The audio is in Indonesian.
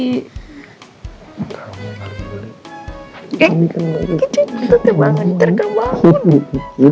kece kece banget